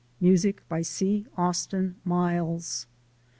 MTJSIC BY C. AUSTIN MILES.